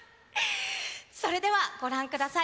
それではご覧ください。